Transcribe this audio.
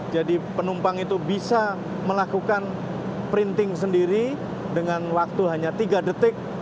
jadi penumpang itu bisa melakukan printing sendiri dengan waktu hanya tiga detik